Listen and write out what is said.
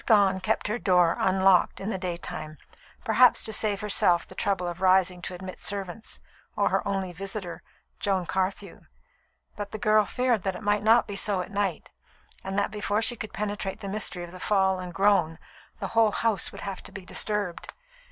Gone kept her door unlocked in the daytime, perhaps to save herself the trouble of rising to admit servants, or her only visitor, Joan Carthew; but the girl feared that it might not be so at night, and that before she could penetrate the mystery of the fall and the groan, the whole house would have to be disturbed.